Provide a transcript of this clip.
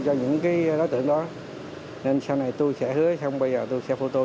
cho những đối tượng đó nên sau này tôi sẽ hứa bây giờ tôi sẽ photocopy